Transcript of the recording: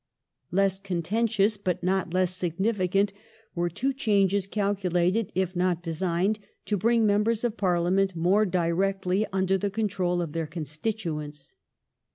Less contentious, but not less significant were two changes Publicity calculated, if not designed, to bring membei s of Parliament more °^ parlia directly under the control of their constituents.